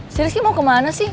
si rizky mau kemana sih